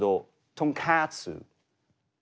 とんかつ。